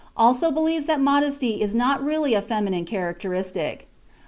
85 87), also believes that modesty is not really a feminine characteristic.